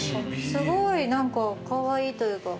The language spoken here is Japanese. すごい何かカワイイというか。